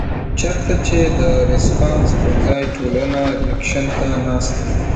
چرته چې د رسپانس پۀ ځائے ټولنه رېکشن ته ناسته وي